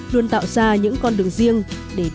luôn tạo ra những con đường riêng để đến đích